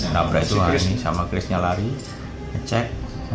nabrak suami sama chrisnya lari cek